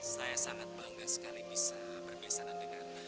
saya sangat bangga sekali bisa berbiasa nanti dengan ibu tante